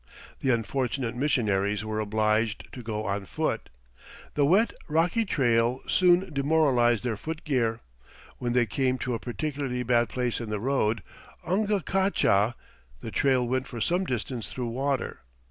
The unfortunate missionaries were obliged to go on foot. The wet, rocky trail soon demoralized their footgear. When they came to a particularly bad place in the road, "Ungacacha," the trail went for some distance through water.